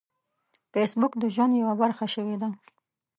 فېسبوک د ژوند یوه برخه شوې ده